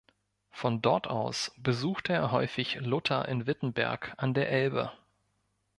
Von dort aus besuchte er häufig Luther in Wittenberg an der Elbe.